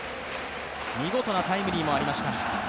見事なタイムリーもありました。